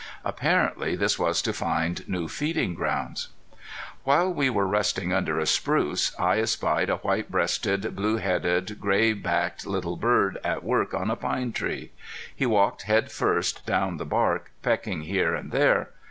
Apparently this was to find new feeding grounds. [Illustration: BEAR IN SIGHT ACROSS CANYON] While we were resting under a spruce I espied a white breasted, blue headed, gray backed little bird at work on a pine tree. He walked head first down the bark, pecking here and there.